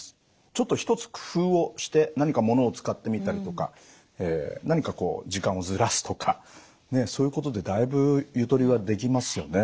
ちょっと一つ工夫をして何かものを使ってみたりとか何かこう時間をずらすとかそういうことでだいぶゆとりができますよね